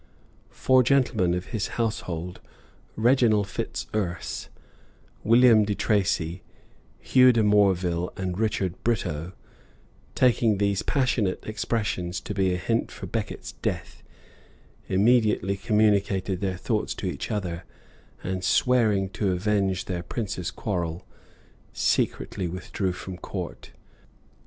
Four gentlemen of his household, Reginald Fitz Urse, William de Traci, Hugh de Moreville, and Richard Brito, taking these passionate expressions to be a hint for Becket's death, immediately communicated their thoughts to each other; and swearing to avenge their prince's quarrel secretly withdrew from court.